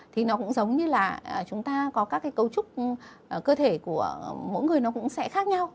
thì nó cũng giống như là chúng ta có các cái cấu trúc cơ thể của mỗi người nó cũng sẽ khác nhau